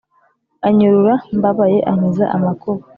Anyurura mbabaye ankiza amakuba